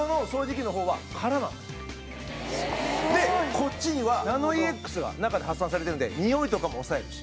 こっちにはナノイーＸが中で発散されているんでにおいとかも抑えるし。